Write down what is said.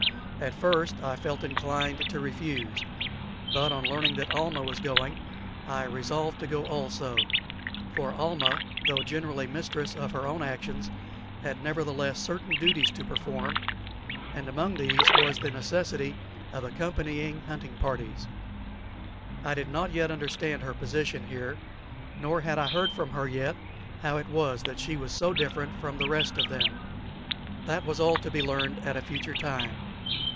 At first I felt inclined to refuse, but on learning that Almah was going, I resolved to go also; for Almah, though generally mistress of her actions, had nevertheless certain duties to perform, and among these was the necessity of accompanying hunting parties. I did not yet understand her position here, nor had I heard from her yet how it was that she was so different from the rest of them. That was all to be learned at a future time.